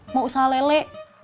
mau usaha lele